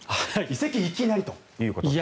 移籍いきなりということです。